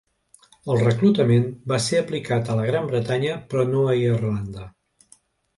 El reclutament va ser aplicat a la Gran Bretanya, però no a Irlanda.